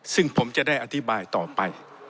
ซึ่งผมจะได้อธิบายต่อไป